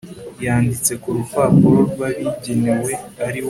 yanditse ku rupapuro rwabigenewe ari rwo